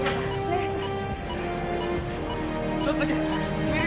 はいお願いします